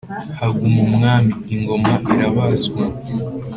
Haguma umwami, ingoma irabazwa.